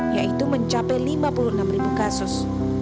yaitu mencapai lima puluh enam kasus